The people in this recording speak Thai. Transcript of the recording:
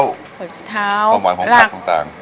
ความหวานผอมผักต่าง